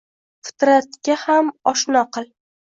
Fikratga ham oshno kil.